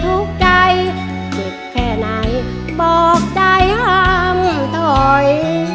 ทุกข์ใจเจ็บแค่ไหนบอกใจห้ามถอย